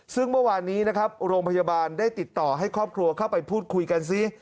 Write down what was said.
ซึ่งเมื่อวานนี้นะครับโรงพยาบาลได้ติดต่อให้ครอบครัวเข้าไปพูดคุยกันซิ